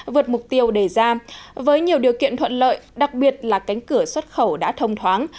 vượt mục tiêu đề ra với nhiều điều kiện thuận lợi đặc biệt là cánh cửa xuất khẩu đã thông thoáng